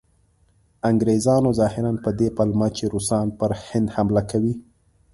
انګریزانو ظاهراً په دې پلمه چې روسان پر هند حمله کوي.